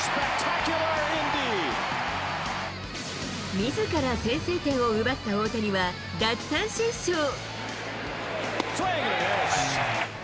みずから先制点を奪った大谷は、奪三振ショー。